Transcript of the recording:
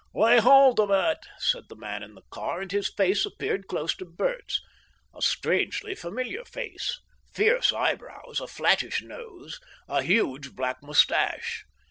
"Lay hold of it," said the man in the car, and his face appeared close to Bert's a strangely familiar face, fierce eyebrows, a flattish nose, a huge black moustache.